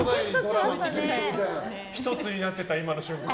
１つになった、今の瞬間。